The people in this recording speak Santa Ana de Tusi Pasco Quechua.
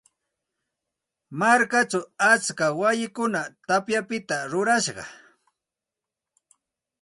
Markachaw atska wayikunam tapyapita rurashqa.